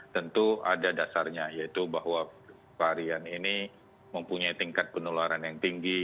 tentu ada dasarnya yaitu bahwa varian ini mempunyai tingkat penularan yang tinggi